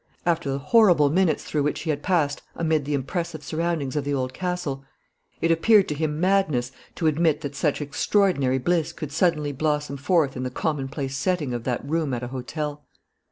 After the horrible minutes through which he had passed amid the impressive surroundings of the Old Castle, it appeared to him madness to admit that such extraordinary bliss could suddenly blossom forth in the commonplace setting of that room at a hotel.